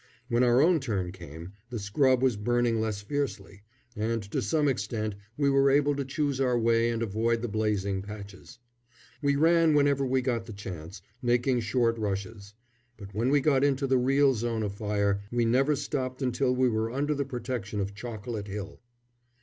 When our own turn came, the scrub was burning less fiercely, and to some extent we were able to choose our way and avoid the blazing patches. We ran whenever we got the chance, making short rushes; but when we got into the real zone of fire, we never stopped until we were under the protection of Chocolate Hill.